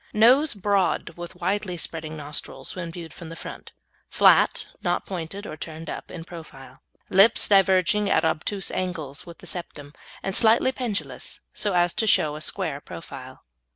Nose broad, with widely spreading nostrils when viewed from the front; flat (not pointed or turned up) in profile. Lips diverging at obtuse angles with the septum, and slightly pendulous so as to show a square profile.